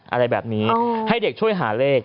อะไรแบบนี้ให้เด็กช่วยหาเลข